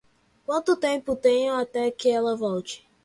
Quanto tempo tenho até que ela volte?